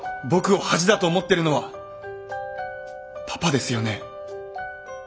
僕を恥だと思ってるのはパパですよね？